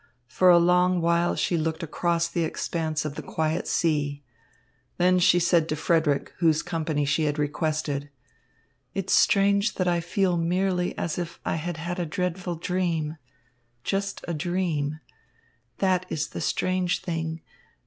For a long while she looked across the expanse of the quiet sea. Then she said to Frederick, whose company she had requested: "It's strange that I feel merely as if I had had a dreadful dream just a dream that is the strange thing.